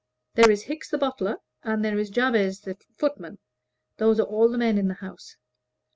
"There is Hickes the butler, and there is Jabez the footman; those are all the men in the house.